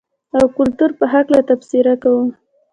او کلتور په حقله تبصره کوو.